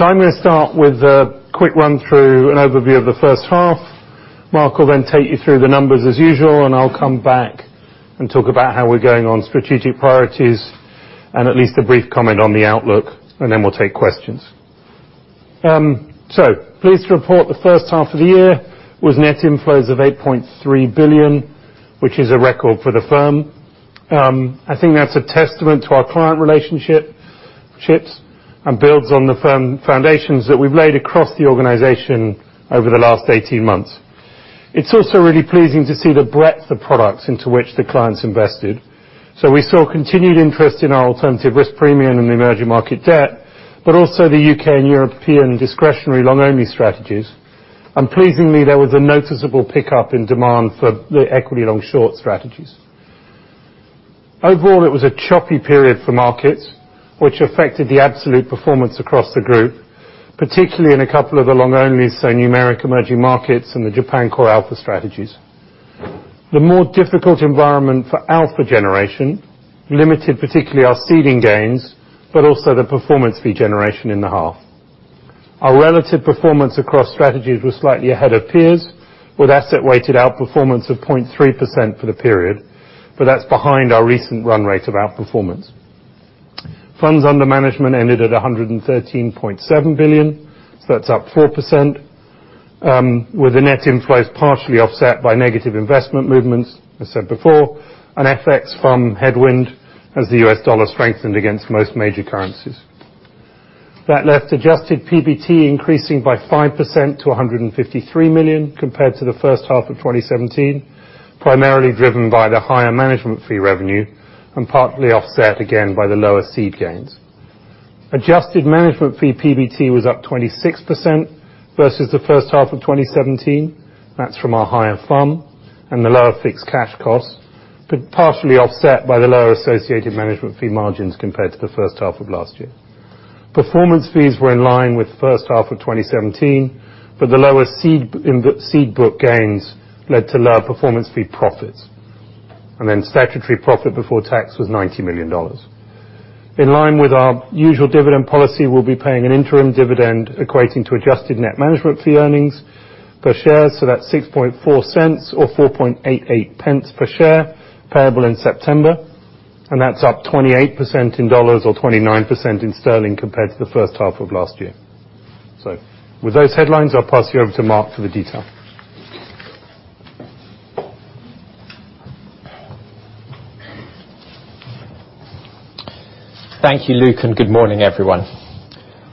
I'm going to start with a quick run through, an overview of the first half. Mark will then take you through the numbers as usual. I'll come back and talk about how we're going on strategic priorities and at least a brief comment on the outlook. Then we'll take questions. Pleased to report the first half of the year was net inflows of 8.3 billion, which is a record for the firm. I think that's a testament to our client relationships and builds on the firm foundations that we've laid across the organization over the last 18 months. It's also really pleasing to see the breadth of products into which the clients invested. We saw continued interest in our alternative risk premium in the Emerging Market Debt, but also the U.K. and European discretionary long-only strategies. Pleasingly, there was a noticeable pickup in demand for the equity long-short strategies. Overall, it was a choppy period for markets, which affected the absolute performance across the group, particularly in a couple of the long-only, Numeric Emerging Markets Core and Man Japan CoreAlpha strategies. The more difficult environment for alpha generation limited particularly our seeding gains, but also the performance fee generation in the half. Our relative performance across strategies was slightly ahead of peers with asset weighted outperformance of 0.3% for the period, but that's behind our recent run rate of outperformance. Funds under management ended at 113.7 billion. That's up 4%, with the net inflows partially offset by negative investment movements, as said before, and FX from headwind as the U.S. dollar strengthened against most major currencies. That left adjusted PBT increasing by 5% to 153 million compared to the first half of 2017, primarily driven by the higher management fee revenue and partly offset again by the lower seed gains. Adjusted management fee PBT was up 26% versus the first half of 2017. That's from our higher FUM and the lower fixed cash costs, but partially offset by the lower associated management fee margins compared to the first half of last year. Performance fees were in line with the first half of 2017, but the lower seed book gains led to lower performance fee profits. Then statutory profit before tax was GBP 90 million. In line with our usual dividend policy, we'll be paying an interim dividend equating to adjusted net management fee earnings per share. That's 0.064 or 0.0488 per share payable in September. That's up 28% in U.S. dollars or 29% in sterling compared to the first half of last year. With those headlines, I'll pass you over to Mark for the detail. Thank you, Luke. Good morning, everyone.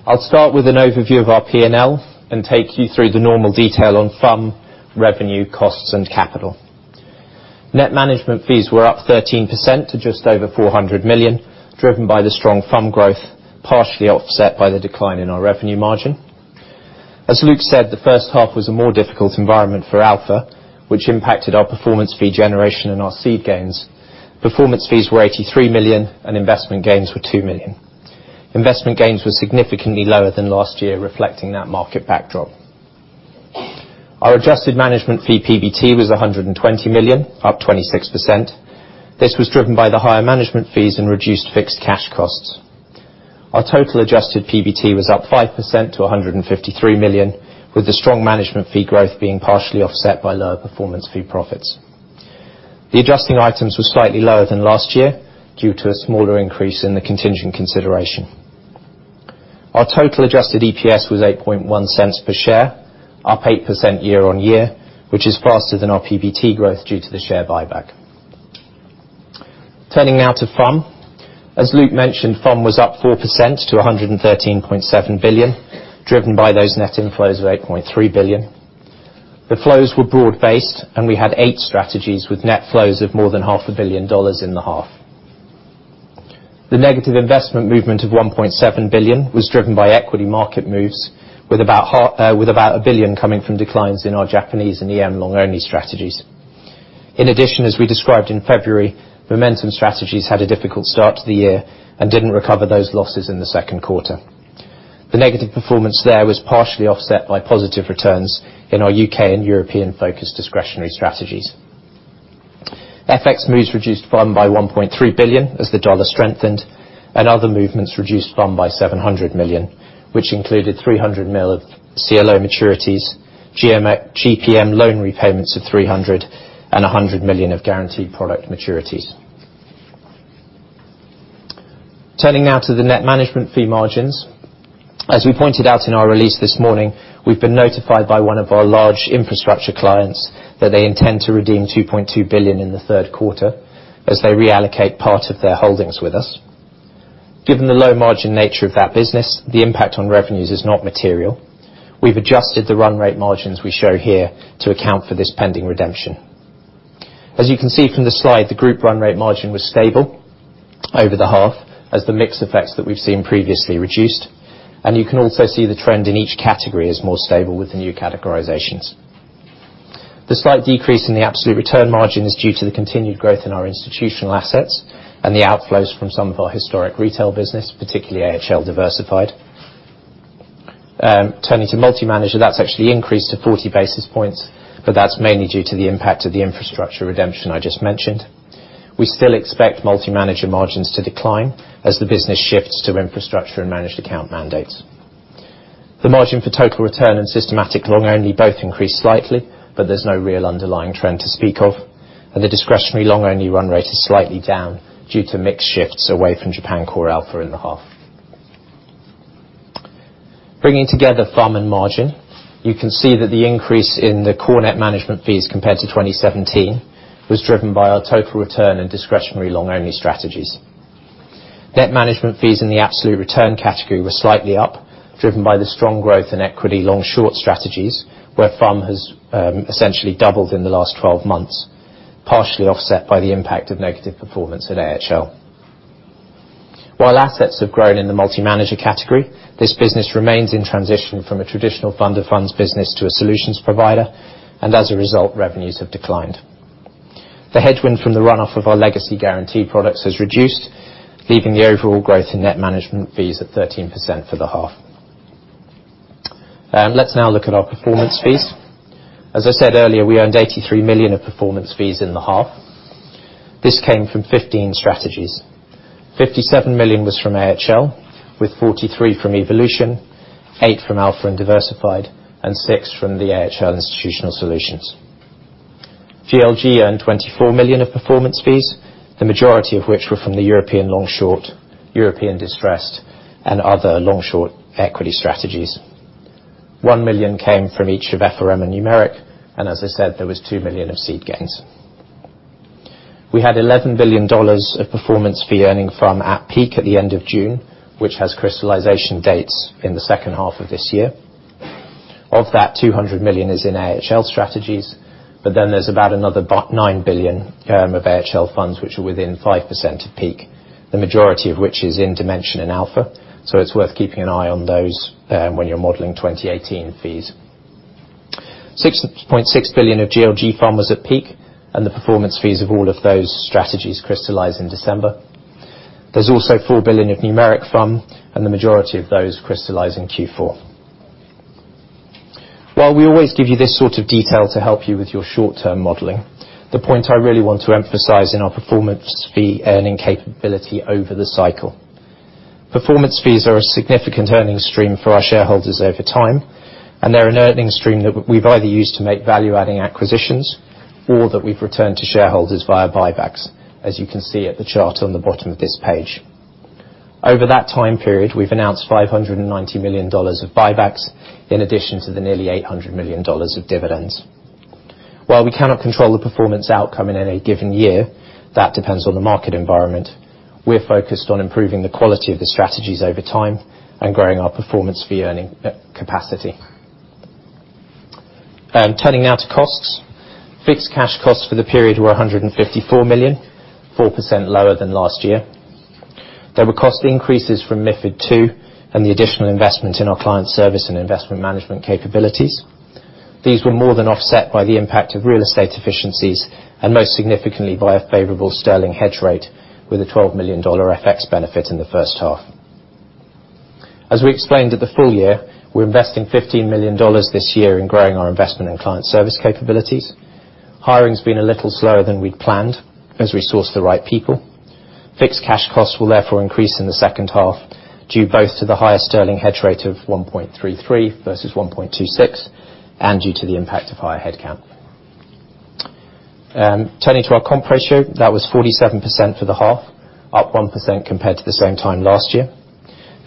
I'll start with an overview of our P&L and take you through the normal detail on FUM, revenue, costs, and capital. Net management fees were up 13% to just over 400 million, driven by the strong FUM growth, partially offset by the decline in our revenue margin. As Luke said, the first half was a more difficult environment for alpha, which impacted our performance fee generation and our seed gains. Performance fees were 83 million, and investment gains were 2 million. Investment gains were significantly lower than last year, reflecting that market backdrop. Our adjusted management fee PBT was 120 million, up 26%. This was driven by the higher management fees and reduced fixed cash costs. Our total adjusted PBT was up 5% to 153 million, with the strong management fee growth being partially offset by lower performance fee profits. The adjusting items were slightly lower than last year due to a smaller increase in the contingent consideration. Our total adjusted EPS was $0.0810 per share, up 8% year-on-year, which is faster than our PBT growth due to the share buyback. Turning now to FUM. As Luke mentioned, FUM was up 4% to 113.7 billion, driven by those net inflows of 8.3 billion. The flows were broad-based, and we had eight strategies with net flows of more than half a billion US dollars in the half. The negative investment movement of 1.7 billion was driven by equity market moves with about 1 billion coming from declines in our Japanese and EM long-only strategies. In addition, as we described in February, momentum strategies had a difficult start to the year and didn't recover those losses in the second quarter. The negative performance there was partially offset by positive returns in our U.K. and European-focused discretionary strategies. FX moves reduced FUM by 1.3 billion as the US dollar strengthened. Other movements reduced FUM by 700 million, which included 300 million of CLO maturities, GPM loan repayments of 300 million, and 100 million of guaranteed product maturities. Turning now to the net management fee margins. As we pointed out in our release this morning, we've been notified by one of our large infrastructure clients that they intend to redeem 2.2 billion in the third quarter as they reallocate part of their holdings with us. Given the low margin nature of that business, the impact on revenues is not material. We've adjusted the run rate margins we show here to account for this pending redemption. As you can see from the slide, the group run rate margin was stable over the half as the mix effects that we've seen previously reduced. You can also see the trend in each category is more stable with the new categorizations. The slight decrease in the absolute return margin is due to the continued growth in our institutional assets and the outflows from some of our historic retail business, particularly AHL Diversified. Turning to multi-manager, that's actually increased to 40 basis points, but that's mainly due to the impact of the infrastructure redemption I just mentioned. We still expect multi-manager margins to decline as the business shifts to infrastructure and managed account mandates. The margin for Man GLG Total Return and systematic long only both increase slightly, but there's no real underlying trend to speak of, the discretionary long-only run rate is slightly down due to mix shifts away from Man Japan CoreAlpha in the half. Bringing together FUM and margin, you can see that the increase in the core net management fees compared to 2017 was driven by our Man GLG Total Return in discretionary long-only strategies. Net management fees in the absolute return category were slightly up, driven by the strong growth in equity long-short strategies, where FUM has essentially doubled in the last 12 months, partially offset by the impact of negative performance at AHL. While assets have grown in the multi-manager category, this business remains in transition from a traditional fund of funds business to a solutions provider, and as a result, revenues have declined. The headwind from the runoff of our legacy guarantee products has reduced, leaving the overall growth in net management fees at 13% for the half. Let's now look at our performance fees. As I said earlier, we earned $83 million of performance fees in the half. This came from 15 strategies. $57 million was from AHL, with $43 million from AHL Evolution, $8 million from AHL Alpha and AHL Diversified, and $6 million from the AHL Institutional Solutions. GLG earned $24 million of performance fees, the majority of which were from the European long-short, European distressed, and other long-short equity strategies. $1 million came from each of FRM and Numeric, and as I said, there was $2 million of seed gains. We had $11 billion of performance fee earning from at peak at the end of June, which has crystallization dates in the second half of this year. Of that, $200 million is in AHL strategies, but then there's about another $9 billion of AHL funds, which are within 5% of peak, the majority of which is in AHL Dimension and AHL Alpha. It's worth keeping an eye on those when you're modeling 2018 fees. $6.6 billion of GLG FUM was at peak, and the performance fees of all of those strategies crystallize in December. There's also $4 billion of Numeric FUM, and the majority of those crystallize in Q4. While we always give you this sort of detail to help you with your short-term modeling, the point I really want to emphasize in our performance fee earning capability over the cycle. Performance fees are a significant earning stream for our shareholders over time, and they're an earning stream that we've either used to make value-adding acquisitions or that we've returned to shareholders via buybacks, as you can see at the chart on the bottom of this page. Over that time period, we've announced $590 million of buybacks, in addition to the nearly $800 million of dividends. While we cannot control the performance outcome in any given year, that depends on the market environment, we're focused on improving the quality of the strategies over time and growing our performance fee earning capacity. Turning now to costs. Fixed cash costs for the period were $154 million, 4% lower than last year. There were cost increases from MiFID II and the additional investment in our client service and investment management capabilities. These were more than offset by the impact of real estate efficiencies and most significantly, by a favorable sterling hedge rate with a $12 million FX benefit in the first half. As we explained at the full year, we're investing $15 million this year in growing our investment in client service capabilities. Hiring has been a little slower than we'd planned as we source the right people. Fixed cash costs will therefore increase in the second half due both to the higher sterling hedge rate of 1.33 versus 1.26, and due to the impact of higher headcount. Turning to our comp ratio, that was 47% for the half, up 1% compared to the same time last year.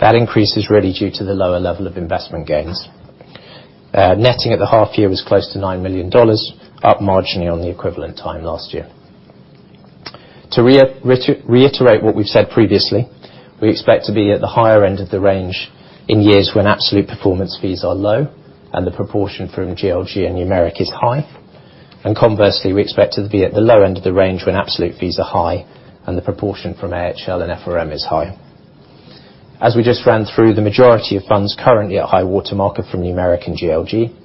That increase is really due to the lower level of investment gains. Netting at the half year was close to $9 million, up marginally on the equivalent time last year. To reiterate what we've said previously, we expect to be at the higher end of the range in years when absolute performance fees are low and the proportion from Man GLG and Man Numeric is high. Conversely, we expect to be at the low end of the range when absolute fees are high and the proportion from Man AHL and FRM is high. As we just ran through, the majority of funds currently at high-water mark are from Man Numeric and Man GLG.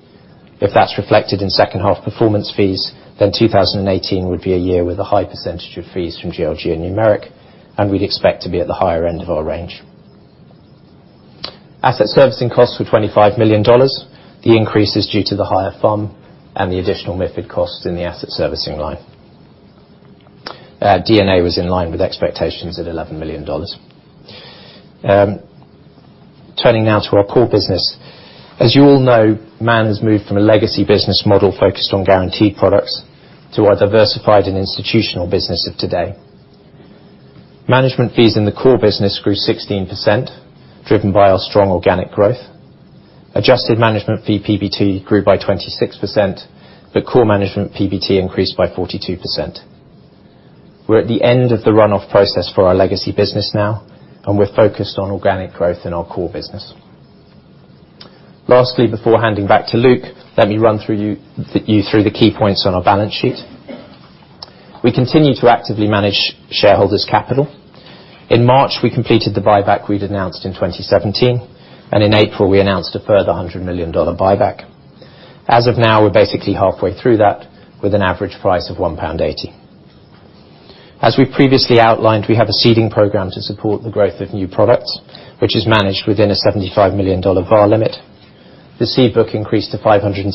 If that's reflected in second half performance fees, then 2018 would be a year with a high percentage of fees from Man GLG and Man Numeric, and we'd expect to be at the higher end of our range. Asset servicing costs were $25 million. The increase is due to the higher FUM and the additional MiFID costs in the asset servicing line. D&A was in line with expectations at $11 million. Turning now to our core business. As you all know, Man Group has moved from a legacy business model focused on guaranteed products to our diversified and institutional business of today. Management fees in the core business grew 16%, driven by our strong organic growth. Adjusted management fee PBT grew by 26%, but core management PBT increased by 42%. We're at the end of the runoff process for our legacy business now, and we're focused on organic growth in our core business. Lastly, before handing back to Luke Ellis, let me run you through the key points on our balance sheet. We continue to actively manage shareholders' capital. In March, we completed the buyback we'd announced in 2017. In April, we announced a further $100 million buyback. As of now, we're basically halfway through that with an average price of 1.80 pound. As we previously outlined, we have a seeding program to support the growth of new products, which is managed within a $75 million VAR limit. The seed book increased to $563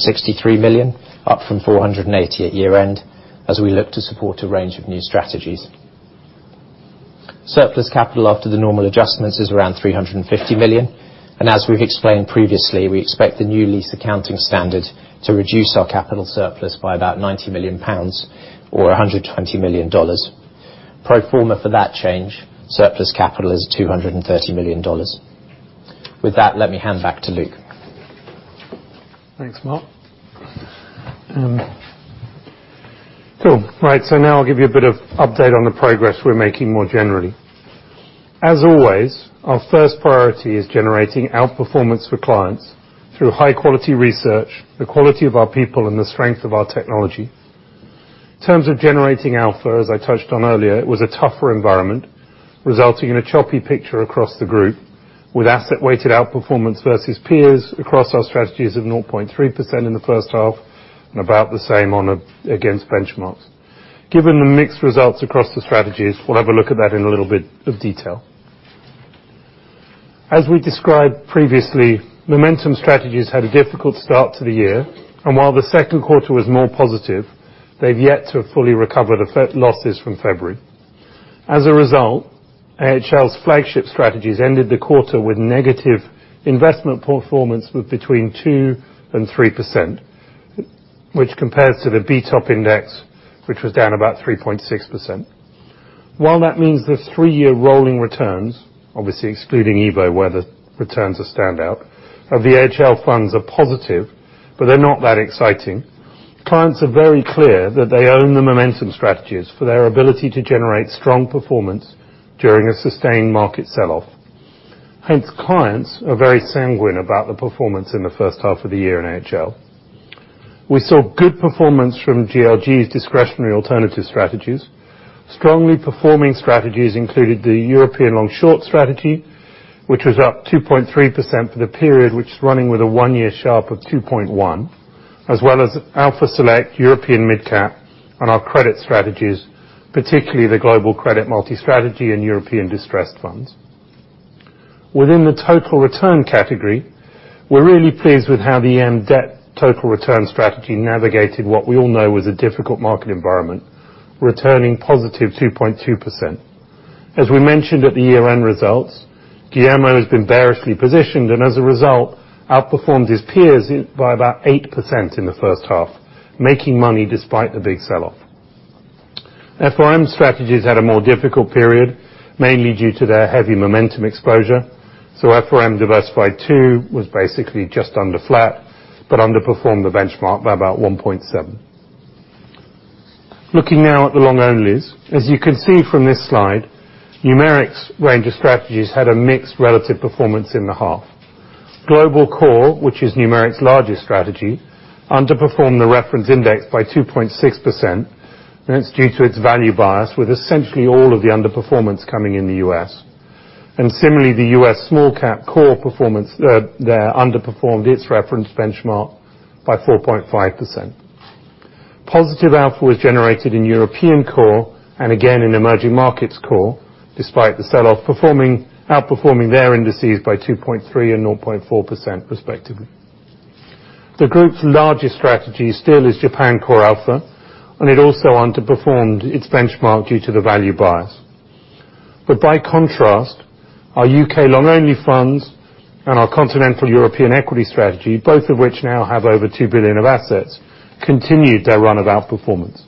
million, up from $480 million at year-end, as we look to support a range of new strategies. Surplus capital after the normal adjustments is around $350 million. As we've explained previously, we expect the new lease accounting standard to reduce our capital surplus by about 90 million pounds or $120 million. Pro forma for that change, surplus capital is $230 million. With that, let me hand back to Luke Ellis. Thanks, Mark. Cool. Now I'll give you a bit of update on the progress we're making more generally. As always, our first priority is generating outperformance for clients through high-quality research, the quality of our people, and the strength of our technology. In terms of generating alpha, as I touched on earlier, it was a tougher environment, resulting in a choppy picture across the group with asset-weighted outperformance versus peers across our strategies of 0.3% in the first half, and about the same against benchmarks. Given the mixed results across the strategies, we'll have a look at that in a little bit of detail. As we described previously, momentum strategies had a difficult start to the year, and while the second quarter was more positive, they've yet to have fully recovered losses from February. As a result, AHL's flagship strategies ended the quarter with negative investment performance with between 2% and 3%, which compares to the BTOP index, which was down about 3.6%. While that means the three-year rolling returns, obviously excluding EVO, where the returns are standout, of the AHL funds are positive, but they're not that exciting. Clients are very clear that they own the momentum strategies for their ability to generate strong performance during a sustained market sell-off. Hence, clients are very sanguine about the performance in the first half of the year in AHL. We saw good performance from GLG's discretionary alternative strategies. Strongly performing strategies included the European long-short strategy, which was up 2.3% for the period, which is running with a one-year sharp of 2.1, as well as Alpha Select, European Mid-Cap, and our credit strategies, particularly the Global Credit Multi-Strategy and European distressed funds. Within the total return category, we're really pleased with how the Man GLG Total Return strategy navigated what we all know was a difficult market environment, returning positive 2.2%. As we mentioned at the year-end results, Guillermo has been bearishly positioned, and as a result, outperformed his peers by about 8% in the first half, making money despite the big sell-off. FRM strategies had a more difficult period, mainly due to their heavy momentum exposure. FRM Diversified II was basically just under flat, but underperformed the benchmark by about 1.7%. Looking now at the long-onlys. As you can see from this slide, Numeric's range of strategies had a mixed relative performance in the half. Global Core, which is Numeric's largest strategy, underperformed the reference index by 2.6%, and it's due to its value bias, with essentially all of the underperformance coming in the U.S. Similarly, the U.S. Small Cap Core performance there underperformed its reference benchmark by 4.5%. Positive alpha was generated in European Core and again in Emerging Markets Core, despite the sell-off outperforming their indices by 2.3% and 0.4% respectively. The group's largest strategy still is Japan CoreAlpha, and it also underperformed its benchmark due to the value bias. By contrast, our U.K. long-only funds and our continental European equity strategy, both of which now have over 2 billion of assets, continued their run of outperformance.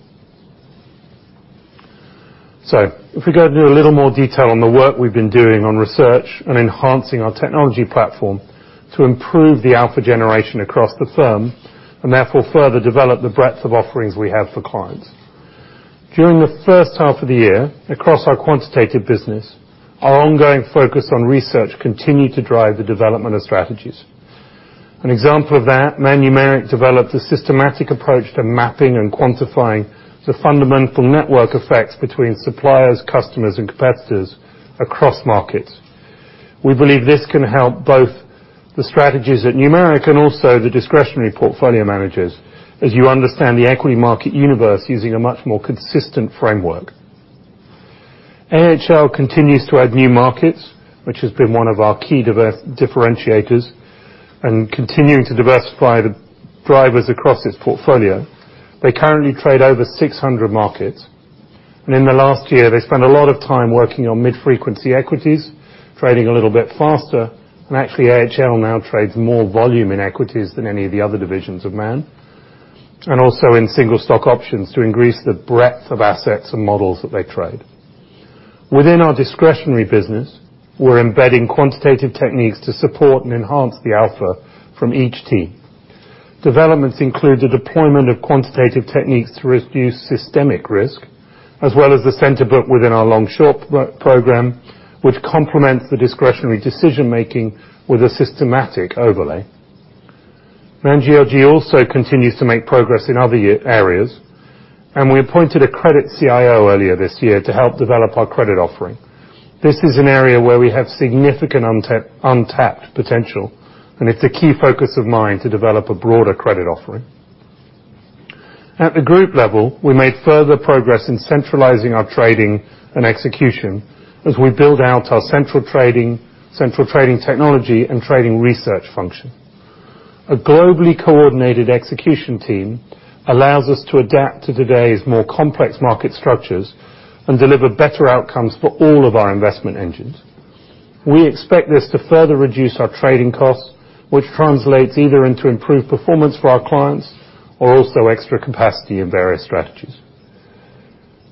If we go into a little more detail on the work we've been doing on research and enhancing our technology platform to improve the alpha generation across the firm, and therefore further develop the breadth of offerings we have for clients. During the first half of the year, across our quantitative business, our ongoing focus on research continued to drive the development of strategies. An example of that, Man Numeric developed a systematic approach to mapping and quantifying the fundamental network effects between suppliers, customers, and competitors across markets. We believe this can help both the strategies at Numeric and also the discretionary portfolio managers as you understand the equity market universe using a much more consistent framework. AHL continues to add new markets, which has been one of our key differentiators, and continuing to diversify the drivers across its portfolio. They currently trade over 600 markets, and in the last year, they spent a lot of time working on mid-frequency equities, trading a little bit faster, and actually, AHL now trades more volume in equities than any of the other divisions of Man, and also in single stock options to increase the breadth of assets and models that they trade. Within our discretionary business, we're embedding quantitative techniques to support and enhance the alpha from each team. Developments include the deployment of quantitative techniques to reduce systemic risk, as well as the center book within our long-short program, which complements the discretionary decision-making with a systematic overlay. Man GLG also continues to make progress in other areas, and we appointed a credit CIO earlier this year to help develop our credit offering. This is an area where we have significant untapped potential, and it's a key focus of mine to develop a broader credit offering. At the group level, we made further progress in centralizing our trading and execution as we build out our central trading technology and trading research function. A globally coordinated execution team allows us to adapt to today's more complex market structures and deliver better outcomes for all of our investment engines. We expect this to further reduce our trading costs, which translates either into improved performance for our clients or also extra capacity in various strategies.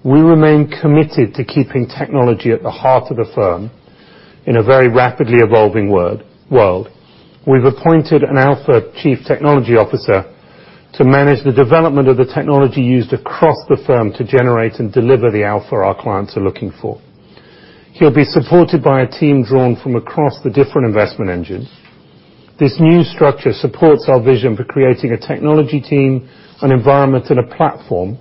We remain committed to keeping technology at the heart of the firm in a very rapidly evolving world. We've appointed an alpha Chief Technology Officer to manage the development of the technology used across the firm to generate and deliver the alpha our clients are looking for. He'll be supported by a team drawn from across the different investment engines. This new structure supports our vision for creating a technology team, an environment, and a platform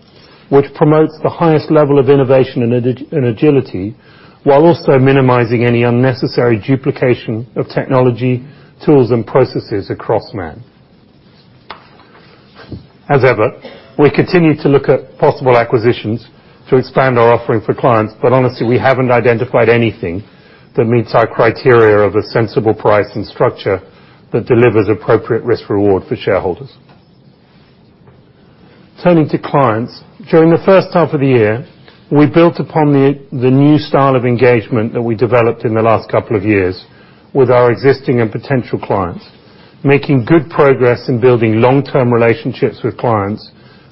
which promotes the highest level of innovation and agility, while also minimizing any unnecessary duplication of technology, tools, and processes across Man. Honestly, we haven't identified anything that meets our criteria of a sensible price and structure that delivers appropriate risk-reward for shareholders. Turning to clients, during the first half of the year, we built upon the new style of engagement that we developed in the last couple of years with our existing and potential clients, making good progress in building long-term relationships with clients,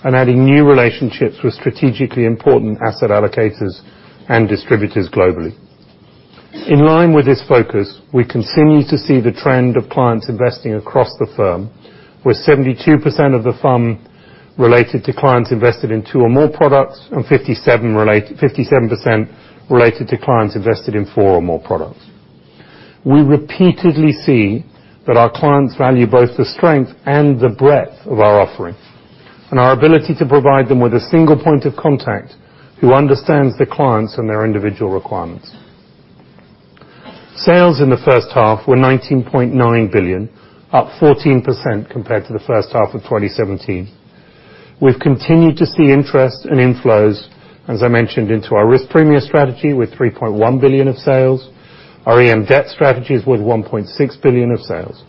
and adding new relationships with strategically important asset allocators and distributors globally. In line with this focus, we continue to see the trend of clients investing across the firm, with 72% of the firm related to clients invested in two or more products, and 57% related to clients invested in four or more products. We repeatedly see that our clients value both the strength and the breadth of our offering, and our ability to provide them with a single point of contact who understands the clients and their individual requirements. Sales in the first half were $19.9 billion, up 14% compared to the first half of 2017. We've continued to see interest in inflows, as I mentioned, into our alternative risk premium strategy, with $3.1 billion of sales, our Emerging Market Debt strategies with $1.6 billion of sales.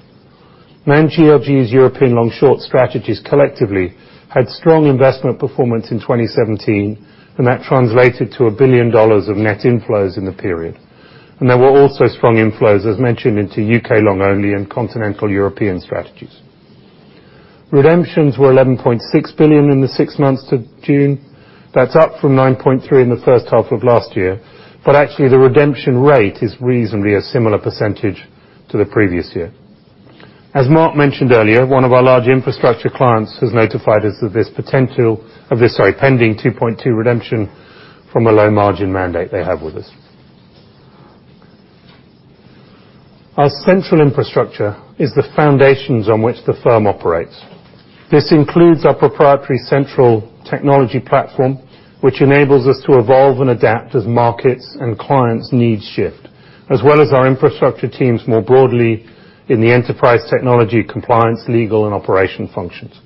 Man GLG's European long-short strategies collectively had strong investment performance in 2017, and that translated to $1 billion of net inflows in the period. There were also strong inflows, as mentioned, into U.K. long only and continental European strategies. Redemptions were $11.6 billion in the six months to June. That's up from $9.3 billion in the first half of last year. Actually, the redemption rate is reasonably a similar percentage to the previous year. As Mark mentioned earlier, one of our large infrastructure clients has notified us of this pending $2.2 billion redemption from a low-margin mandate they have with us. Our central infrastructure is the foundations on which the firm operates. This includes our proprietary central technology platform, which enables us to evolve and adapt as markets and clients' needs shift, as well as our infrastructure teams more broadly in the enterprise technology compliance, legal, and operation functions.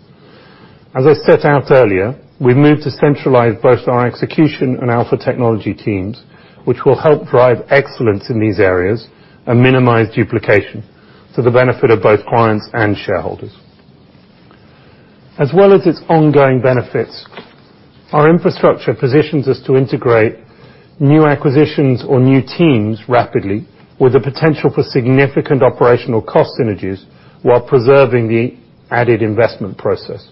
As I set out earlier, we've moved to centralize both our execution and alpha technology teams, which will help drive excellence in these areas and minimize duplication for the benefit of both clients and shareholders. As well as its ongoing benefits, our infrastructure positions us to integrate new acquisitions or new teams rapidly, with the potential for significant operational cost synergies while preserving the added investment process.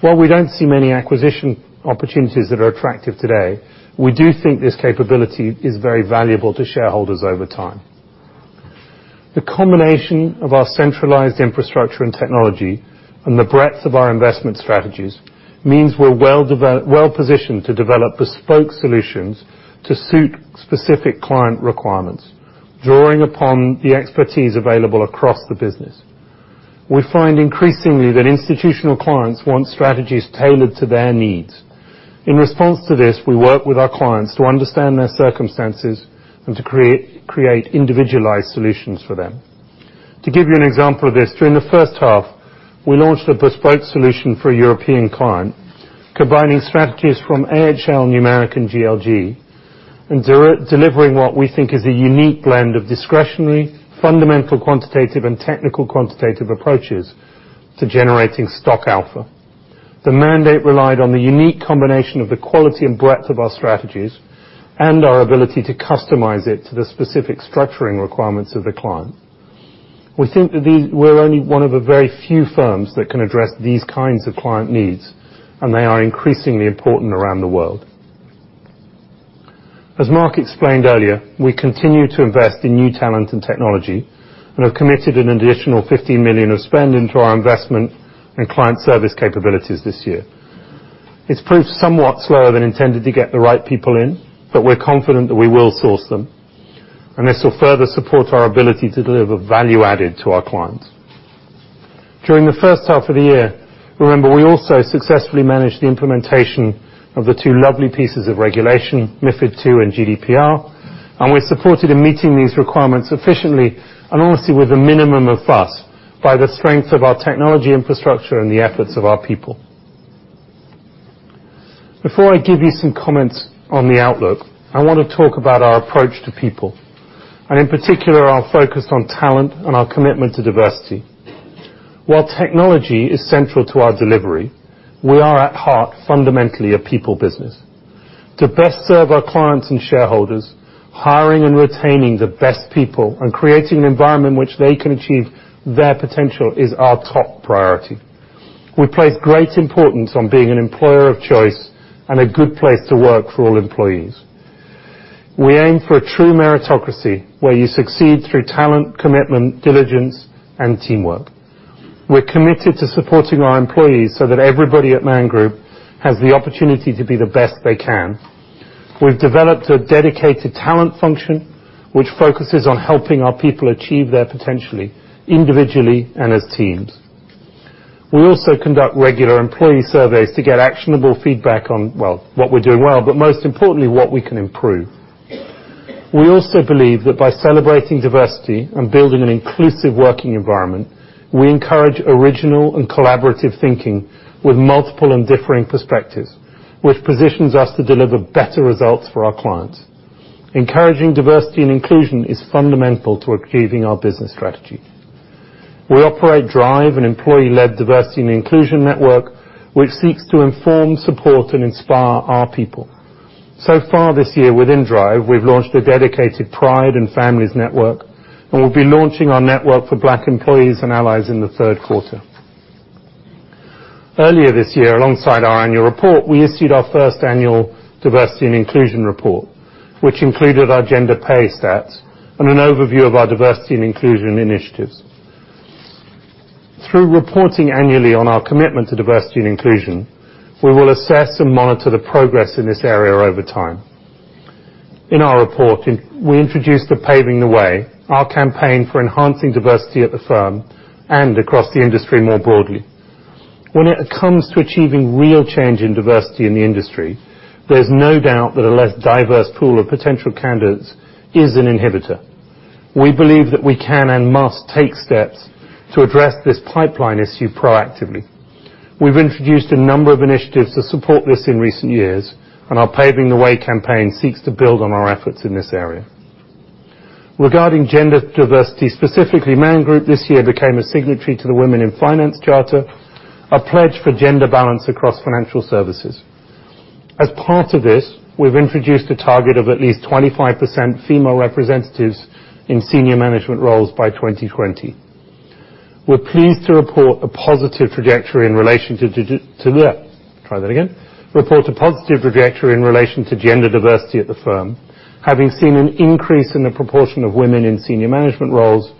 While we don't see many acquisition opportunities that are attractive today, we do think this capability is very valuable to shareholders over time. The combination of our centralized infrastructure and technology and the breadth of our investment strategies means we're well positioned to develop bespoke solutions to suit specific client requirements, drawing upon the expertise available across the business. We find increasingly that institutional clients want strategies tailored to their needs. In response to this, we work with our clients to understand their circumstances and to create individualized solutions for them. To give you an example of this, during the first half, we launched a bespoke solution for a European client, combining strategies from AHL, Numeric, and GLG, and delivering what we think is a unique blend of discretionary, fundamental quantitative, and technical quantitative approaches to generating stock alpha. The mandate relied on the unique combination of the quality and breadth of our strategies and our ability to customize it to the specific structuring requirements of the client. We think that we're only one of a very few firms that can address these kinds of client needs, and they are increasingly important around the world. As Mark explained earlier, we continue to invest in new talent and technology and have committed an additional 15 million of spending to our investment and client service capabilities this year. It has proved somewhat slower than intended to get the right people in, but we are confident that we will source them, and this will further support our ability to deliver value added to our clients. During the first half of the year, remember, we also successfully managed the implementation of the two lovely pieces of regulation, MiFID II and GDPR. We are supported in meeting these requirements efficiently and honestly with a minimum of fuss by the strength of our technology infrastructure and the efforts of our people. Before I give you some comments on the outlook, I want to talk about our approach to people. In particular, our focus on talent and our commitment to diversity. While technology is central to our delivery, we are at heart fundamentally a people business. To best serve our clients and shareholders, hiring and retaining the best people and creating an environment in which they can achieve their potential is our top priority. We place great importance on being an employer of choice and a good place to work for all employees. We aim for a true meritocracy, where you succeed through talent, commitment, diligence, and teamwork. We are committed to supporting our employees so that everybody at Man Group has the opportunity to be the best they can. We have developed a dedicated talent function, which focuses on helping our people achieve their potentially, individually and as teams. We also conduct regular employee surveys to get actionable feedback on, well, what we are doing well, but most importantly, what we can improve. We also believe that by celebrating diversity and building an inclusive working environment, we encourage original and collaborative thinking with multiple and differing perspectives, which positions us to deliver better results for our clients. Encouraging diversity and inclusion is fundamental to achieving our business strategy. We operate DRIVE, an employee-led diversity and inclusion network, which seeks to inform, support, and inspire our people. So far this year within DRIVE, we have launched a dedicated Pride@Man Network, and we will be launching our network for Black employees and allies in the third quarter. Earlier this year, alongside our annual report, we issued our first annual Diversity and Inclusion Report, which included our gender pay stats and an overview of our diversity and inclusion initiatives. Through reporting annually on our commitment to diversity and inclusion, we will assess and monitor the progress in this area over time. In our report, we introduced the Paving the Way, our campaign for enhancing diversity at the firm and across the industry more broadly. When it comes to achieving real change in diversity in the industry, there is no doubt that a less diverse pool of potential candidates is an inhibitor. We believe that we can and must take steps to address this pipeline issue proactively. We have introduced a number of initiatives to support this in recent years, and our Paving the Way campaign seeks to build on our efforts in this area. Regarding gender diversity, specifically, Man Group this year became a signatory to the Women in Finance Charter, a pledge for gender balance across financial services. As part of this, we have introduced a target of at least 25% female representatives in senior management roles by 2020. We're pleased to report a positive trajectory in relation to gender diversity at the firm, having seen an increase in the proportion of women in senior management roles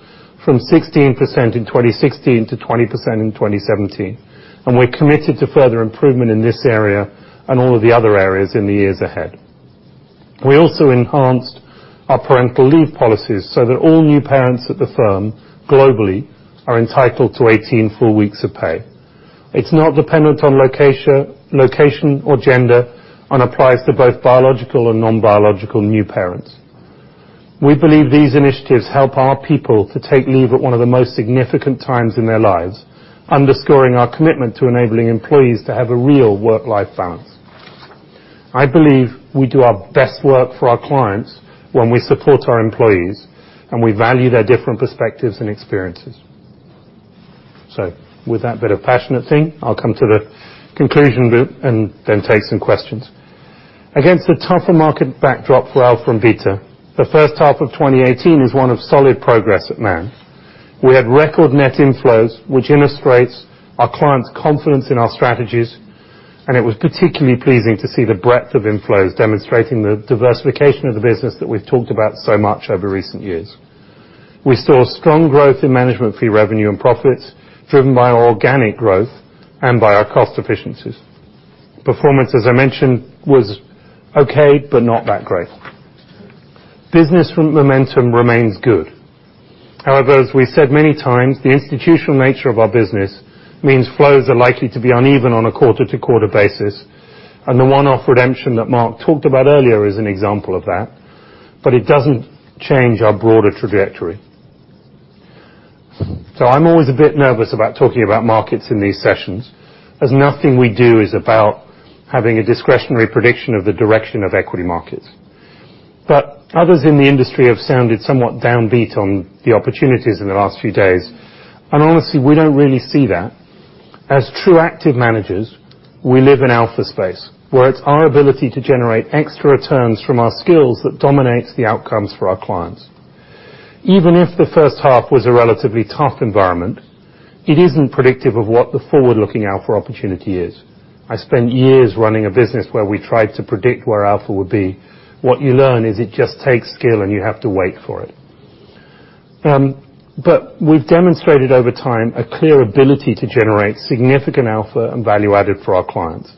from 16% in 2016 to 20% in 2017. We're committed to further improvement in this area and all of the other areas in the years ahead. We also enhanced our parental leave policies so that all new parents at the firm globally are entitled to 18 full weeks of pay. It's not dependent on location or gender and applies to both biological and non-biological new parents. We believe these initiatives help our people to take leave at one of the most significant times in their lives, underscoring our commitment to enabling employees to have a real work-life balance. I believe we do our best work for our clients when we support our employees, and we value their different perspectives and experiences. With that bit of passionate thing, I'll come to the conclusion bit and then take some questions. Against a tougher market backdrop for alpha and beta, the first half of 2018 is one of solid progress at Man. We had record net inflows, which illustrates our clients' confidence in our strategies. It was particularly pleasing to see the breadth of inflows demonstrating the diversification of the business that we've talked about so much over recent years. We saw strong growth in management fee revenue and profits, driven by organic growth and by our cost efficiencies. Performance, as I mentioned, was okay, but not that great. Business momentum remains good. As we said many times, the institutional nature of our business means flows are likely to be uneven on a quarter-to-quarter basis. The one-off redemption that Mark talked about earlier is an example of that, but it doesn't change our broader trajectory. I'm always a bit nervous about talking about markets in these sessions, as nothing we do is about having a discretionary prediction of the direction of equity markets. Others in the industry have sounded somewhat downbeat on the opportunities in the last few days. Honestly, we don't really see that. As true active managers, we live in alpha space, where it's our ability to generate extra returns from our skills that dominates the outcomes for our clients. Even if the first half was a relatively tough environment, it isn't predictive of what the forward-looking alpha opportunity is. I spent years running a business where we tried to predict where alpha would be. What you learn is it just takes skill and you have to wait for it. We've demonstrated over time a clear ability to generate significant alpha and value added for our clients.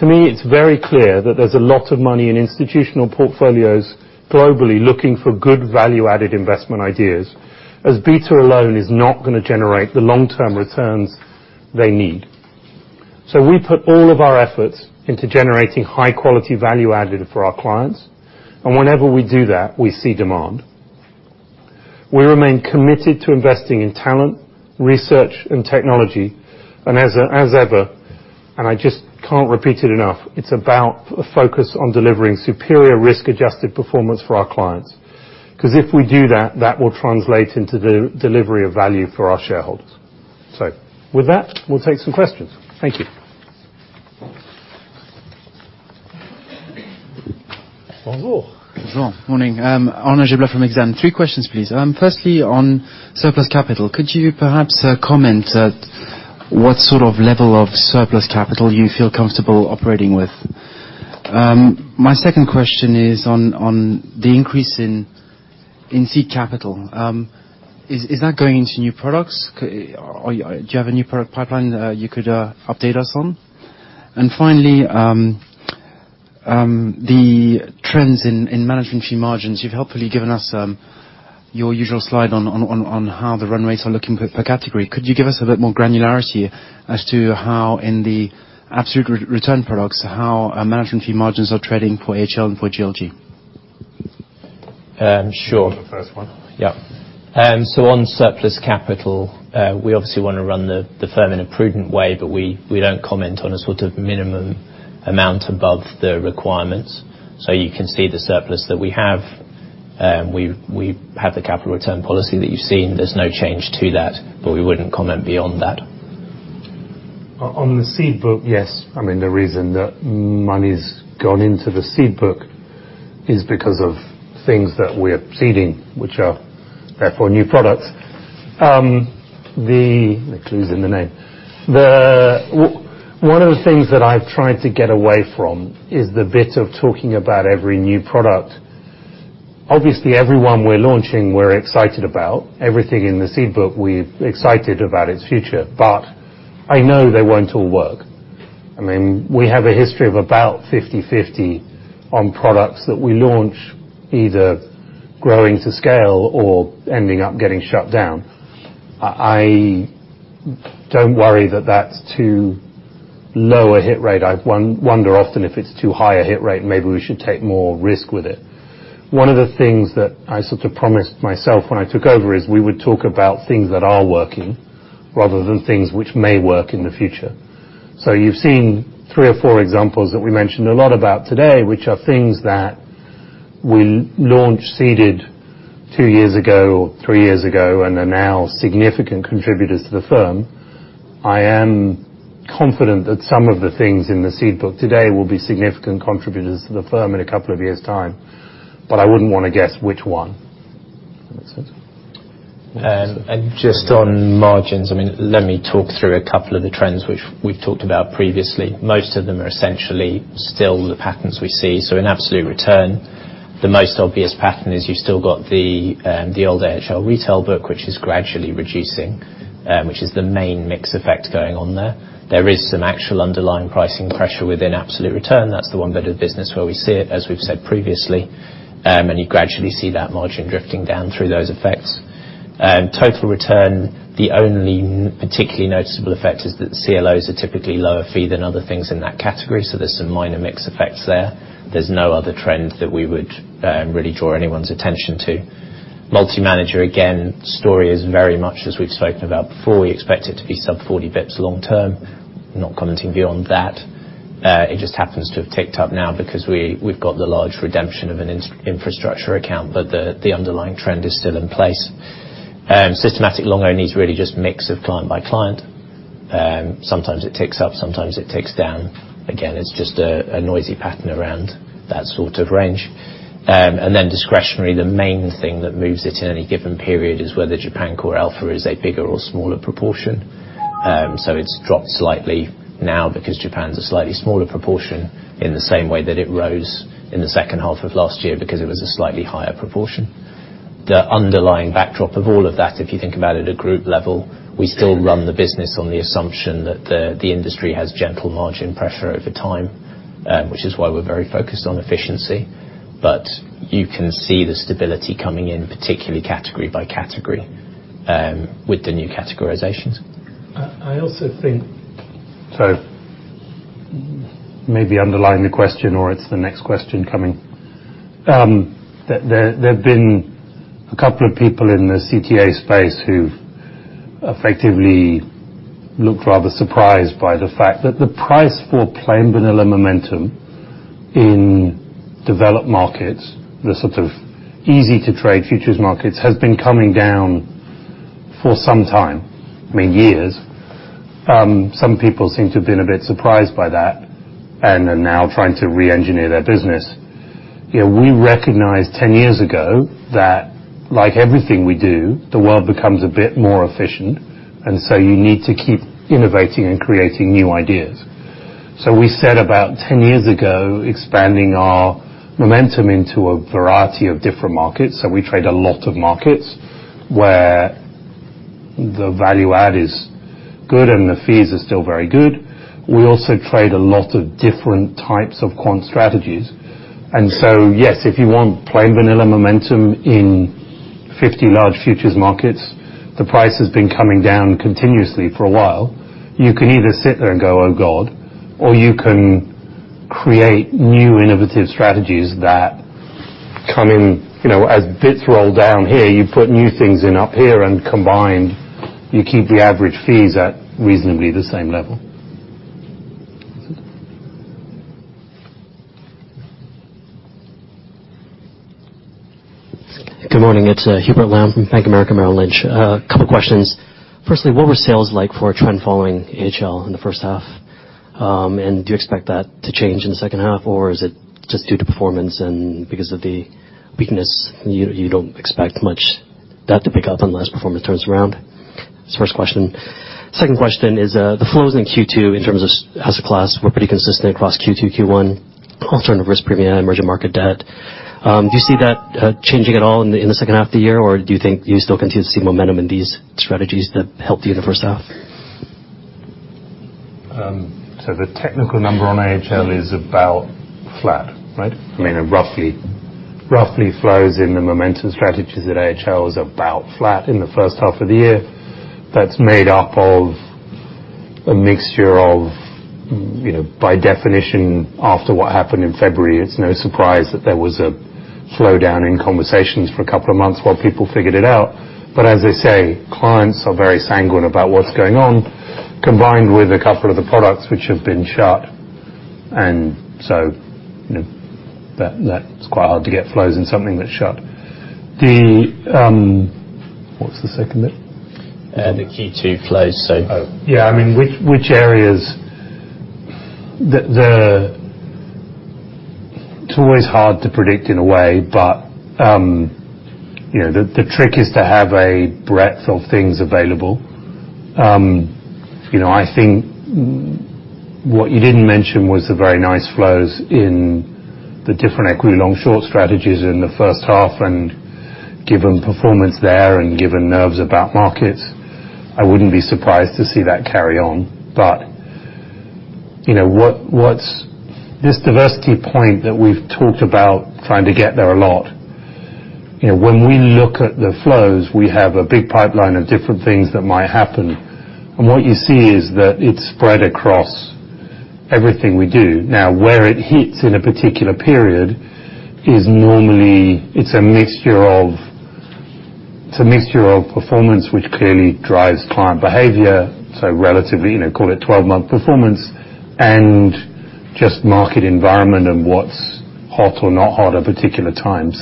To me, it's very clear that there's a lot of money in institutional portfolios globally looking for good value-added investment ideas, as beta alone is not going to generate the long-term returns they need. We put all of our efforts into generating high quality value added for our clients, and whenever we do that, we see demand. We remain committed to investing in talent, research, and technology. As ever, I just can't repeat it enough, it's about a focus on delivering superior risk-adjusted performance for our clients, because if we do that will translate into the delivery of value for our shareholders. With that, we'll take some questions. Thank you. Bonjour. Bonjour. Morning. Arnaud Giblat from Exane. Three questions, please. Firstly, on surplus capital, could you perhaps comment what sort of level of surplus capital you feel comfortable operating with? My second question is on the increase in seed capital. Is that going into new products? Do you have a new product pipeline you could update us on? Finally, the trends in management fee margins. You've helpfully given us your usual slide on how the run rates are looking per category. Could you give us a bit more granularity as to how in the absolute return products, how management fee margins are trending for AHL and for GLG? Sure. The first one. Yeah. On surplus capital, we obviously want to run the firm in a prudent way, we don't comment on a sort of minimum amount above the requirements. You can see the surplus that we have. We have the capital return policy that you've seen. There's no change to that. We wouldn't comment beyond that. On the seed book, yes. I mean, the reason that money's gone into the seed book is because of things that we're seeding, which are therefore new products. The clue's in the name. One of the things that I've tried to get away from is the bit of talking about every new product. Obviously, every one we're launching we're excited about. Everything in the seed book, we're excited about its future. I know they won't all work. I mean, we have a history of about 50/50 on products that we launch, either growing to scale or ending up getting shut down. I don't worry that that's too low a hit rate. I wonder often if it's too high a hit rate and maybe we should take more risk with it. One of the things that I sort of promised myself when I took over is we would talk about things that are working rather than things which may work in the future. You've seen three or four examples that we mentioned a lot about today, which are things that we launched seeded two years ago or three years ago and are now significant contributors to the firm. I am confident that some of the things in the seed book today will be significant contributors to the firm in a couple of years' time. I wouldn't want to guess which one. That make sense? Just on margins, I mean, let me talk through a couple of the trends which we've talked about previously. Most of them are essentially still the patterns we see. In absolute return, the most obvious pattern is you've still got the old AHL retail book, which is gradually reducing, which is the main mix effect going on there. There is some actual underlying pricing pressure within absolute return. That's the one bit of business where we see it, as we've said previously, and you gradually see that margin drifting down through those effects. Total return, the only particularly noticeable effect is that CLOs are typically lower fee than other things in that category, so there's some minor mix effects there. There's no other trend that we would really draw anyone's attention to. Multi-manager, again, story is very much as we've spoken about before. We expect it to be sub 40 basis points long term. Not commenting beyond that. It just happens to have ticked up now because we've got the large redemption of an infrastructure account, but the underlying trend is still in place. Systematic long/only is really just mix of client by client. Sometimes it ticks up, sometimes it ticks down. Again, it's just a noisy pattern around that sort of range. Discretionary, the main thing that moves it in any given period is whether GLG Japan CoreAlpha is a bigger or smaller proportion. It's dropped slightly now because Japan's a slightly smaller proportion in the same way that it rose in the second half of last year because it was a slightly higher proportion. The underlying backdrop of all of that, if you think about at a group level, we still run the business on the assumption that the industry has gentle margin pressure over time, which is why we're very focused on efficiency. You can see the stability coming in, particularly category by category, with the new categorizations. I also think So maybe underlying the question or it's the next question coming. There have been a couple of people in the CTA space who've effectively looked rather surprised by the fact that the price for plain vanilla momentum in developed markets, the sort of easy to trade futures markets, has been coming down for some time, I mean, years. Some people seem to have been a bit surprised by that and are now trying to re-engineer their business. We recognized 10 years ago that, like everything we do, the world becomes a bit more efficient, and you need to keep innovating and creating new ideas. We said about 10 years ago, expanding our momentum into a variety of different markets. We trade a lot of markets where the value add is good and the fees are still very good. We also trade a lot of different types of quant strategies. Yes, if you want plain vanilla momentum in 50 large futures markets. The price has been coming down continuously for a while. You can either sit there and go, "Oh, God," or you can create new innovative strategies that come in. As bits roll down here, you put new things in up here and combined, you keep the average fees at reasonably the same level. Good morning. It's Hubert Lam from Bank of America Merrill Lynch. A couple questions. Firstly, what were sales like for trend following AHL in the first half? Do you expect that to change in the second half, or is it just due to performance and because of the weakness, you don't expect much that to pick up unless performance turns around? That's the first question. Second question is, the flows in Q2, in terms of as a class, were pretty consistent across Q2, Q1, alternative risk premium, Emerging Market Debt. Do you see that changing at all in the second half of the year, or do you think you still continue to see momentum in these strategies that helped you in the first half? The technical number on AHL is about flat, right? Roughly flows in the momentum strategies at AHL is about flat in the first half of the year. That's made up of a mixture of, by definition, after what happened in February, it's no surprise that there was a slowdown in conversations for a couple of months while people figured it out. As they say, clients are very sanguine about what's going on, combined with a couple of the products which have been shut. That's quite hard to get flows in something that's shut. What was the second bit? The Q2 flows. Oh, yeah. Which areas, it's always hard to predict in a way, but the trick is to have a breadth of things available. I think what you didn't mention was the very nice flows in the different equity long-short strategies in the first half, and given performance there and given nerves about markets, I wouldn't be surprised to see that carry on. This diversity point that we've talked about trying to get there a lot. When we look at the flows, we have a big pipeline of different things that might happen. What you see is that it's spread across everything we do. Now, where it hits in a particular period is normally it's a mixture of performance, which clearly drives client behavior, so relatively, call it 12-month performance, and just market environment and what's hot or not hot a particular time.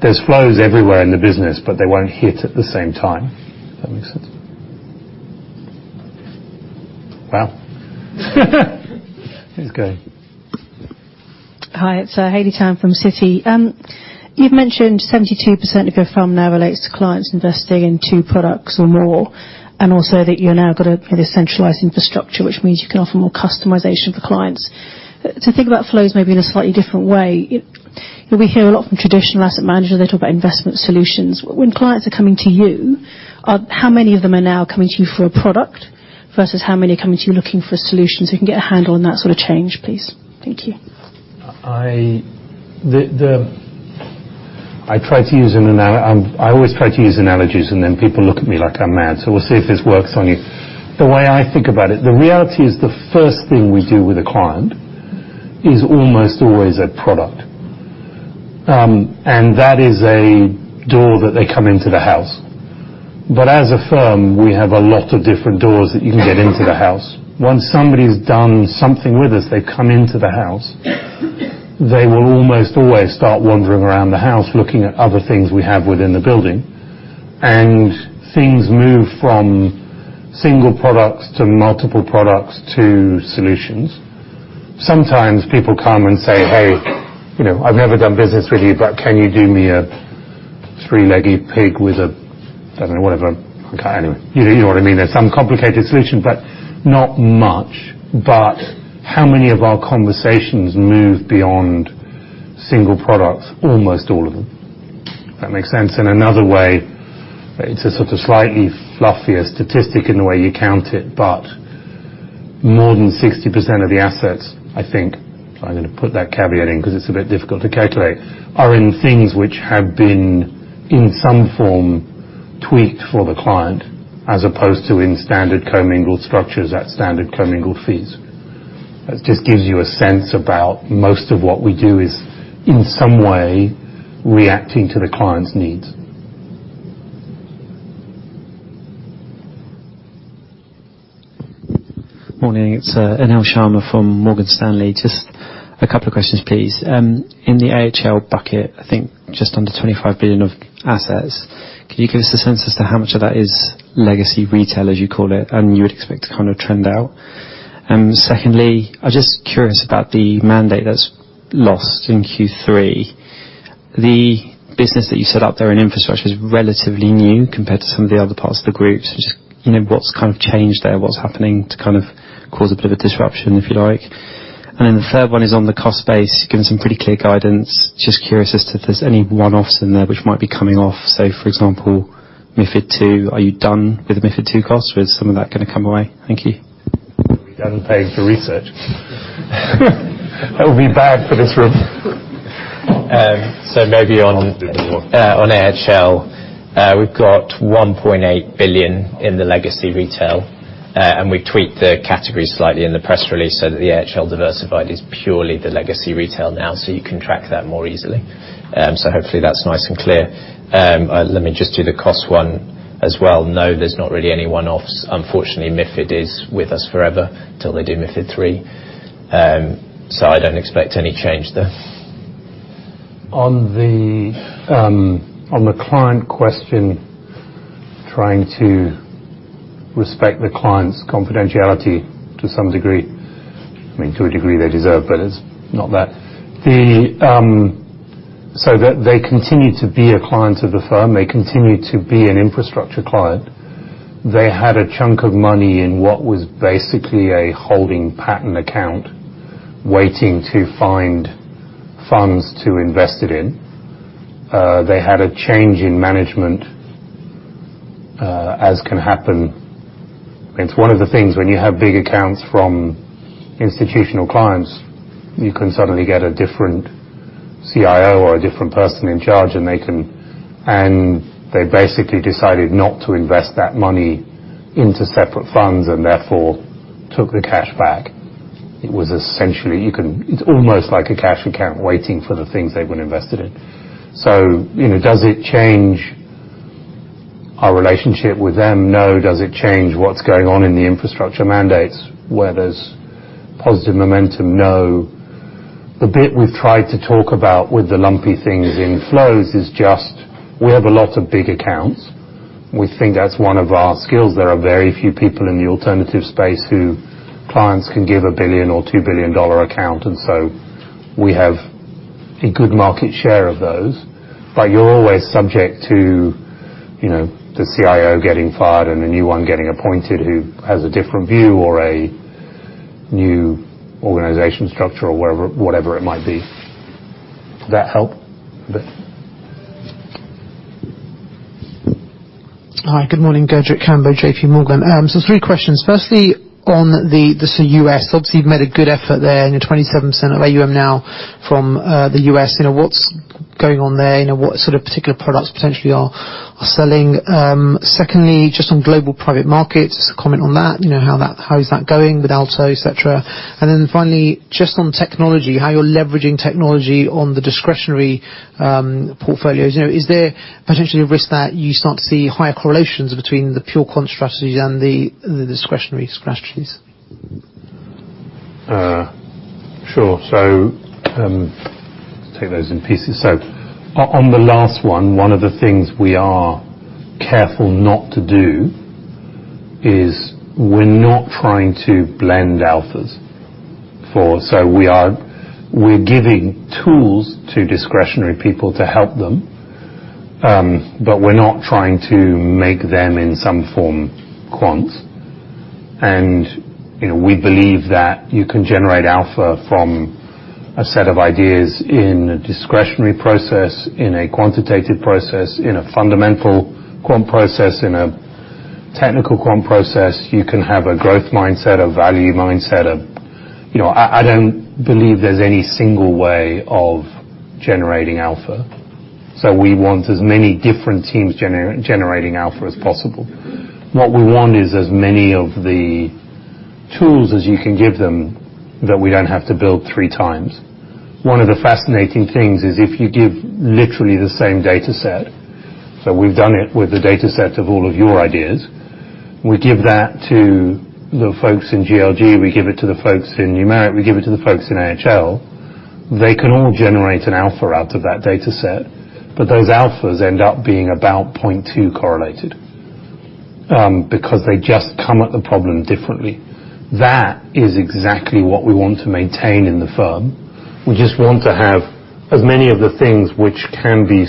There's flows everywhere in the business, but they won't hit at the same time. If that makes sense. Well let's go. Hi, it's Haley Tam from Citi. You've mentioned 72% of your firm now relates to clients investing in two products or more, and also that you've now got a, I guess, centralized infrastructure, which means you can offer more customization for clients. To think about flows maybe in a slightly different way, we hear a lot from traditional asset managers, they talk about investment solutions. When clients are coming to you, how many of them are now coming to you for a product versus how many are coming to you looking for solutions? You can get a handle on that sort of change, please. Thank you. I always try to use analogies, then people look at me like I'm mad. We'll see if this works on you. The way I think about it, the reality is the first thing we do with a client is almost always a product. That is a door that they come into the house. As a firm, we have a lot of different doors that you can get into the house. Once somebody's done something with us, they come into the house, they will almost always start wandering around the house, looking at other things we have within the building. Things move from single products to multiple products to solutions. Sometimes people come and say, "Hey, I've never done business with you, but can you do me a three-legged pig with a" I don't know, whatever. Okay, anyway. You know what I mean. There's some complicated solution, not much. How many of our conversations move beyond single products? Almost all of them. If that makes sense. In another way, it's a sort of slightly fluffier statistic in the way you count it, more than 60% of the assets, I think, if I'm going to put that caveat in because it's a bit difficult to calculate, are in things which have been, in some form, tweaked for the client, as opposed to in standard commingled structures at standard commingled fees. That just gives you a sense about most of what we do is in some way reacting to the client's needs. Morning. It's Anil Sharma from Morgan Stanley. Just a couple of questions, please. In the AHL bucket, I think just under 25 billion of assets, can you give us a sense as to how much of that is legacy retail, as you call it, and you would expect to kind of trend out? Secondly, I's just curious about the mandate that's lost in Q3. The business that you set up there in infrastructure is relatively new compared to some of the other parts of the group. Just, what's kind of changed there? What's happening to kind of cause a bit of disruption, if you like? Then the third one is on the cost base. You've given some pretty clear guidance. Just curious as to if there's any one-offs in there which might be coming off. For example, MiFID II, are you done with the MiFID II costs? Was some of that going to come away? Thank you. We don't pay for research. That would be bad for this room. Maybe on AHL, we've got 1.8 billion in the legacy retail, and we tweaked the categories slightly in the press release so that the AHL Diversified is purely the legacy retail now. You can track that more easily. Hopefully that's nice and clear. Let me just do the cost one as well. No, there's not really any one-offs. Unfortunately, MiFID is with us forever till they do MiFID three. I don't expect any change there. On the client question, trying to respect the client's confidentiality to some degree. To a degree they deserve, but it's not that. They continue to be a client of the firm. They continue to be an infrastructure client. They had a chunk of money in what was basically a holding pattern account, waiting to find funds to invest it in. They had a change in management, as can happen. It's one of the things when you have big accounts from institutional clients, you can suddenly get a different CIO or a different person in charge. They basically decided not to invest that money into separate funds and therefore took the cash back. It's almost like a cash account waiting for the things they would invest it in. Does it change our relationship with them? No. Does it change what's going on in the infrastructure mandates, where there's positive momentum? No. The bit we've tried to talk about with the lumpy things in flows is just, we have a lot of big accounts. We think that's one of our skills. There are very few people in the alternative space who clients can give a 1 billion or GBP 2 billion account. We have a good market share of those. You're always subject to the CIO getting fired and a new one getting appointed, who has a different view or a new organization structure or whatever it might be. That help? All right. Good morning, Gurjit Kambo, JPMorgan. Three questions. Firstly, on the U.S. Obviously, you've made a good effort there in your 27% of AUM now from the U.S. What's going on there? What sort of particular products potentially are selling? Secondly, just on global private markets, comment on that. How is that going with Aalto, et cetera? Finally, just on technology, how you're leveraging technology on the discretionary portfolios. Is there potentially a risk that you start to see higher correlations between the pure quant strategies and the discretionary strategies? Sure. Let's take those in pieces. On the last one of the things we are careful not to do is we're not trying to blend alphas. We're giving tools to discretionary people to help them, but we're not trying to make them in some form quants. We believe that you can generate alpha from a set of ideas in a discretionary process, in a quantitative process, in a fundamental quant process, in a technical quant process. You can have a growth mindset, a value mindset. I don't believe there's any single way of generating alpha. We want as many different teams generating alpha as possible. What we want is as many of the tools as you can give them, that we don't have to build three times. One of the fascinating things is if you give literally the same data set. We've done it with the data set of all of your ideas. We give that to the folks in GLG. We give it to the folks in Numeric. We give it to the folks in AHL. They can all generate an alpha out of that data set, but those alphas end up being about 0.2 correlated because they just come at the problem differently. That is exactly what we want to maintain in the firm. We just want to have as many of the things which can be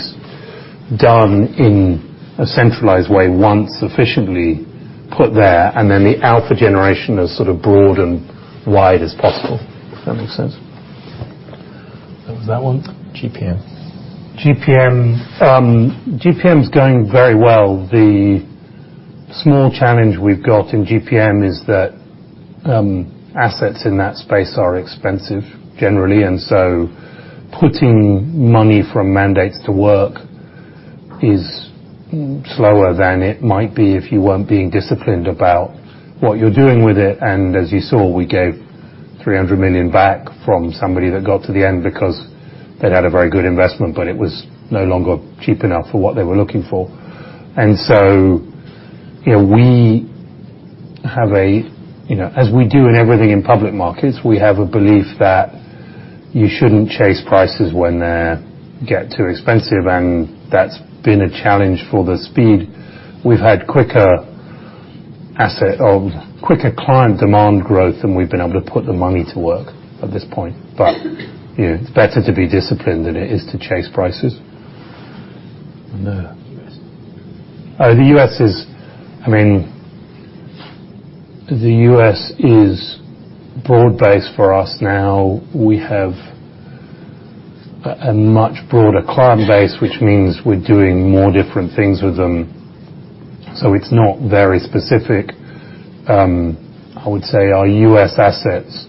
done in a centralized way once sufficiently put there, the alpha generation as broad and wide as possible. Does that make sense? What was that one? Man GPM. Man GPM. Man GPM's going very well. The small challenge we've got in Man GPM is that assets in that space are expensive generally, putting money from mandates to work is slower than it might be if you weren't being disciplined about what you're doing with it. As you saw, we gave $300 million back from somebody that got to the end because they'd had a very good investment, but it was no longer cheap enough for what they were looking for. As we do in everything in public markets, we have a belief that you shouldn't chase prices when they get too expensive, and that's been a challenge for the speed. We've had quicker client demand growth than we've been able to put the money to work at this point. It's better to be disciplined than it is to chase prices. The U.S. The U.S. is broad-based for us now. We have a much broader client base, which means we're doing more different things with them, so it's not very specific. I would say our U.S. assets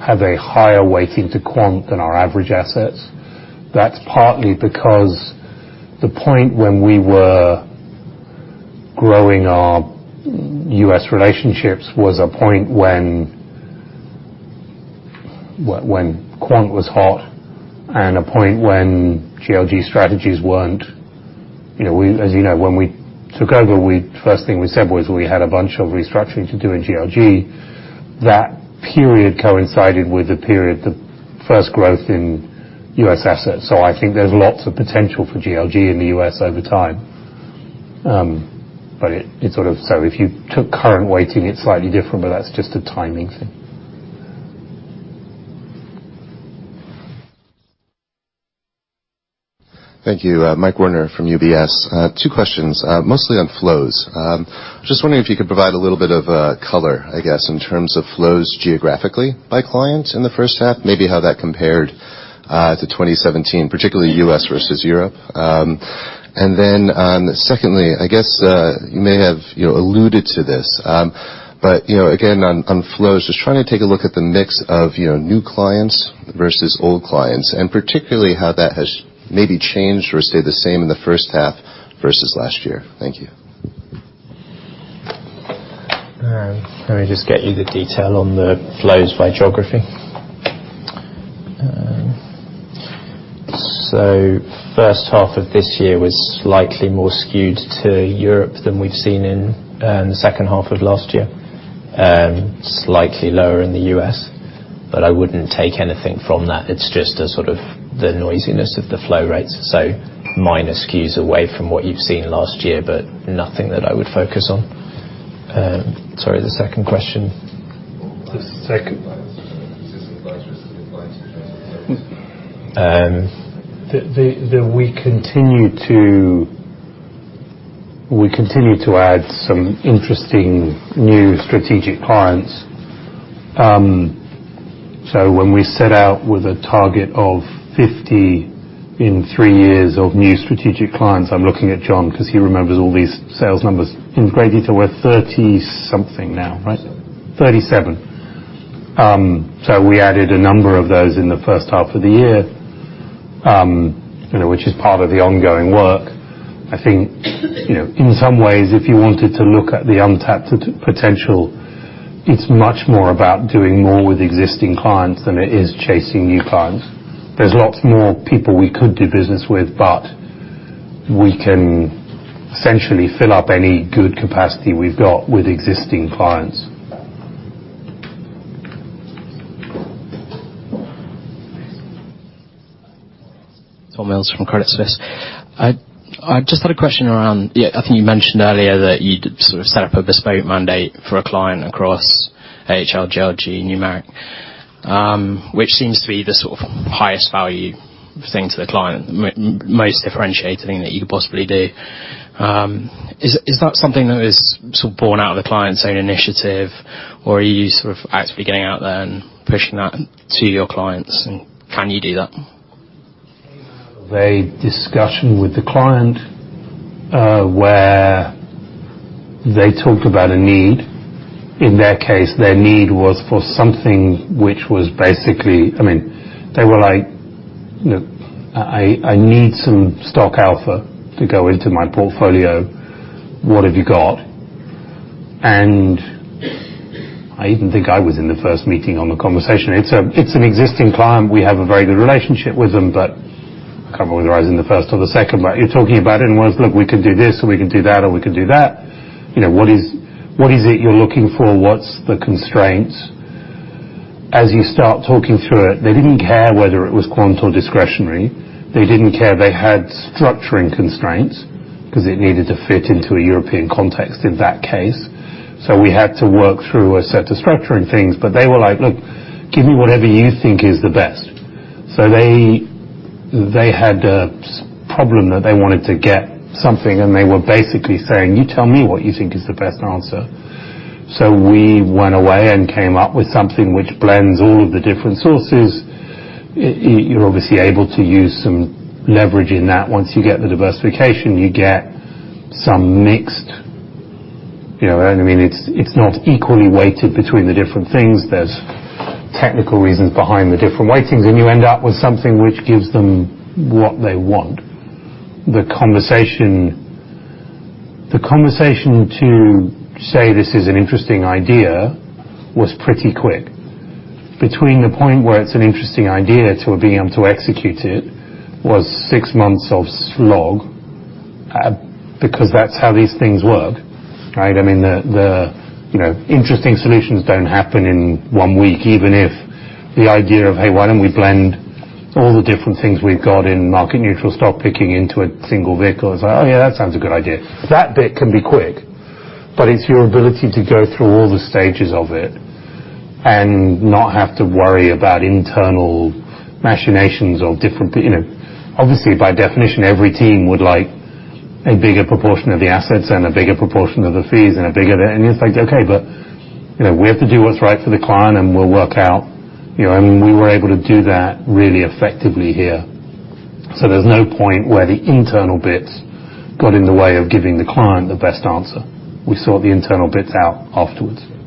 have a higher weighting to quant than our average assets. That's partly because the point when we were growing our U.S. relationships was a point when quant was hot and a point when Man GLG strategies weren't. As you know, when we took over, first thing we said was we had a bunch of restructuring to do in Man GLG. That period coincided with the period, the first growth in U.S. assets. I think there's lots of potential for Man GLG in the U.S. over time. It sort of if you took current weighting, it's slightly different, but that's just a timing thing. Thank you. Michael Werner from UBS. Two questions, mostly on flows. Just wondering if you could provide a little bit of color, I guess, in terms of flows geographically by client in the first half, maybe how that compared to 2017, particularly U.S. versus Europe. Secondly, I guess you may have alluded to this. Again, on flows, just trying to take a look at the mix of new clients versus old clients, and particularly how that has maybe changed or stayed the same in the first half versus last year. Thank you. Let me just get you the detail on the flows by geography. First half of this year was slightly more skewed to Europe than we've seen in the second half of last year, slightly lower in the U.S. I wouldn't take anything from that. It's just the sort of the noisiness of the flow rates. Minor skews away from what you've seen last year, nothing that I would focus on. Sorry, the second question? The second. The second question. We continue to add some interesting new strategic clients. When we set out with a target of 50 in three years of new strategic clients, I'm looking at John because he remembers all these sales numbers, [and heading] to where? 30 something now, right? 37. We added a number of those in the first half of the year, which is part of the ongoing work. I think, in some ways, if you wanted to look at the untapped potential, it's much more about doing more with existing clients than it is chasing new clients. There's lots more people we could do business with, but we can essentially fill up any good capacity we've got with existing clients. Tom Mills from Credit Suisse. I just had a question around, I think you mentioned earlier that you sort of set up a bespoke mandate for a client across AHL, GLG, Numeric, which seems to be the sort of highest value thing to the client, most differentiating that you could possibly do. Is that something that is born out of the client's own initiative, or are you sort of actively getting out there and pushing that to your clients, and can you do that? They had a discussion with the client, where they talked about a need. In their case, their need was for something which was basically, They were like, "I need some stock alpha to go into my portfolio. What have you got?" I even think I was in the first meeting on the conversation. It's an existing client. We have a very good relationship with them, but I can't remember whether I was in the first or the second. You're talking about it and was, "Look, we could do this, or we could do that, or we could do that. What is it you're looking for? What's the constraint?" You start talking through it, they didn't care whether it was quant or discretionary. They didn't care. They had structuring constraints because it needed to fit into a European context in that case. We had to work through a set of structuring things, but they were like, "Look, give me whatever you think is the best." They had a problem that they wanted to get something, and they were basically saying, "You tell me what you think is the best answer." We went away and came up with something which blends all of the different sources. You're obviously able to use some leverage in that. Once you get the diversification, you get some. You know what I mean? It's not equally weighted between the different things. There's technical reasons behind the different weightings, and you end up with something which gives them what they want. The conversation to say this is an interesting idea was pretty quick. Between the point where it's an interesting idea to being able to execute it was six months of slog, because that's how these things work, right? The interesting solutions don't happen in one week, even if the idea of, hey, why don't we blend all the different things we've got in market neutral stock picking into a single vehicle is like, oh, yeah, that sounds a good idea. That bit can be quick, but it's your ability to go through all the stages of it and not have to worry about internal machinations of different. Obviously, by definition, every team would like a bigger proportion of the assets and a bigger proportion of the fees. It's like, okay, but we have to do what's right for the client, and we'll work out. We were able to do that really effectively here. There's no point where the internal bits got in the way of giving the client the best answer. We sort the internal bits out afterwards.